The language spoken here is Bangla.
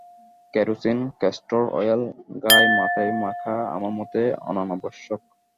কেরোসিন, ক্যাস্টর অয়েল, গায় মাথায় মাখা আমার মতে অনাবশ্যক।